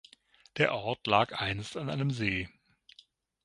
Der Ort lag einst an einem See.